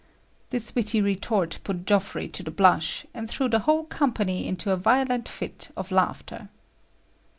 This witty retort put Geoffrey to the blush, and threw the whole company into a violent fit of laughter."